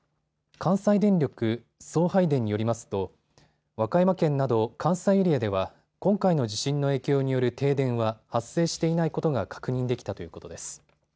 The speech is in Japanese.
関西電力送配電によりますと和歌山県など関西エリアでは今回の地震の影響による停電は発生していないことが確認できたということです。